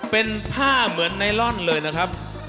เป็นผ้าเหมือนไนลอนเลยนะครับ